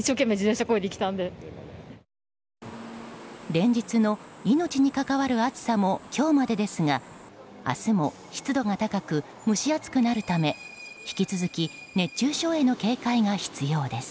連日の命に関わる暑さも今日までですが明日も湿度が高く蒸し暑くなるため引き続き熱中症への警戒が必要です。